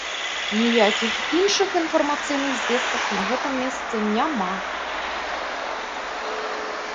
Ніякіх іншых інфармацыйных звестак на гэтым месцы няма.